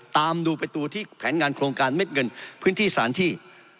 ตามดูไปตัวที่แผนงานโครงการเม็ดเงินพื้นที่สารที่